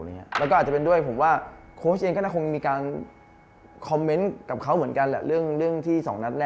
แล้วก็อาจจะเป็นด้วยผมว่าโค้ชเองก็น่าคงมีการคอมเมนต์กับเขาเหมือนกันแหละ